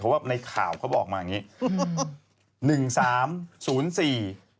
เพราะว่าในข่าวเค้าบอกมาอย่างนี้